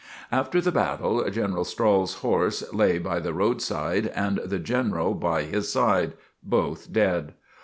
After the battle General Strahl's horse lay by the road side and the General by his side, both dead.